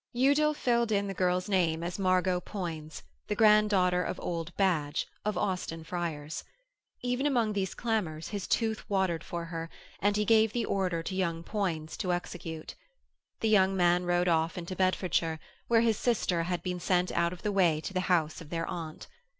Udal filled in the girl's name as Margot Poins, the granddaughter of old Badge, of Austin Friars. Even among these clamours his tooth watered for her, and he gave the order to young Poins to execute. The young man rode off into Bedfordshire, where his sister had been sent out of the way to the house of their aunt.